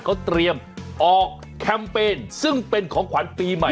เขาเตรียมออกแคมเปญซึ่งเป็นของขวัญปีใหม่